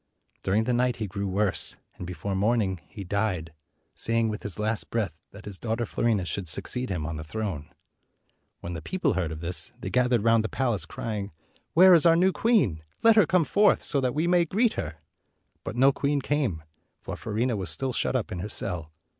Dur ing the night he grew worse, and before morn ing he died, saying with his last breath that his daughter Fiorina should succeed him on the throne. When the people heard of this, they gathered round the palace, crying, "Where is our new queen? Let her come forth, so that we may greet her!" But no queen came, for Fiorina was still shut up in her cell.